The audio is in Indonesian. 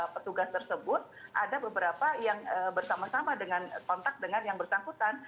petugas tersebut ada beberapa yang bersama sama dengan kontak dengan yang bersangkutan